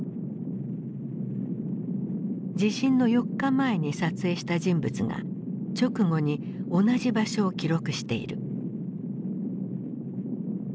地震の４日前に撮影した人物が直後に同じ場所を記録している。